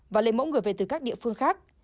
và lấy mẫu người về từ các địa phương khác